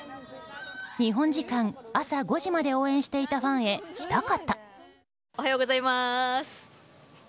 日本時間朝５時まで応援していたファンへひと言。